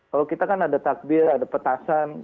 kalau kita kan ada takbir ada petasan